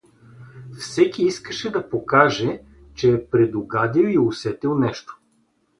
Всеки искаше да покаже, че е предугадил и усетил нещо.